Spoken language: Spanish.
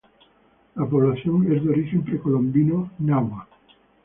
La población es de origen precolombino náhua.